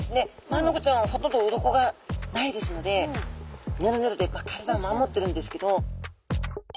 マアナゴちゃんはほとんどウロコがないですのでヌルヌルで体を守ってるんですけど。